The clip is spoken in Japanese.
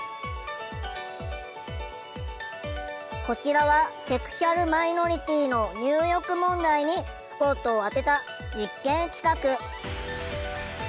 こちらはセクシュアルマイノリティーの入浴問題にスポットを当てた実験企画。